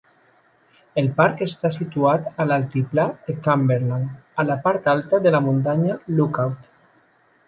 El parc està situat a l'altiplà de Cumberland, a la part alta de la muntanya Lookout.